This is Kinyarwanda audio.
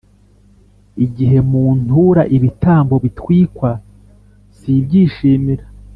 igihe muntura ibitambo bitwikwa, sibyishimira